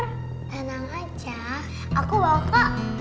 tenang aja aku bawa kak